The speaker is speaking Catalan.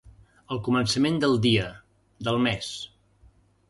El començament del dia, del mes.